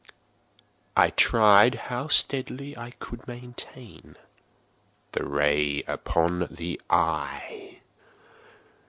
I tried how steadily I could maintain the ray upon the eve.